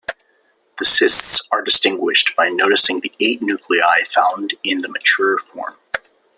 The cysts are distinguished by noticing the eight nuclei found in the mature form.